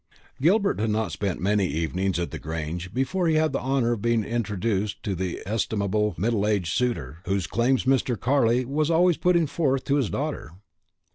Gilbert had not spent many evenings at the Grange before he had the honour of being introduced to the estimable middle aged suitor, whose claims Mr. Carley was always setting forth to his daughter.